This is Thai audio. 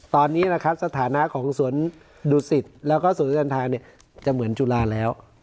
ตอนนี้นะครับสถานะของสวนดุสิตแล้วก็สวนเดินทางจะเหมือนจุฬาแล้ว